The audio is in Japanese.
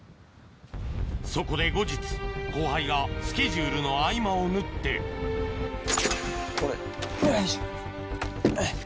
そこで後日後輩がスケジュールの合間を縫ってよいしょ。